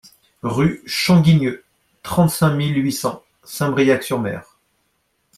Rue du Champ Guigneux, trente-cinq mille huit cents Saint-Briac-sur-Mer